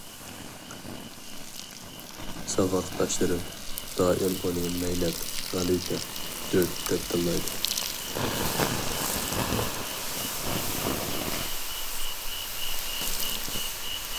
ساۋاقداشلىرى دائىم ئۇنى مەينەت، غەلىتە، دۆت، دەپ تىللايدۇ.